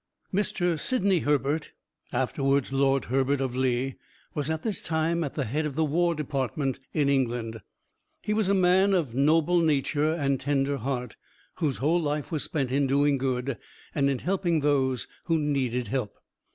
Mr. Sidney Herbert (afterwards Lord Herbert of Lea) was at this time at the head of the War Department in England. He was a man of noble nature and tender heart, whose whole life was spent in doing good, and in helping those who needed help.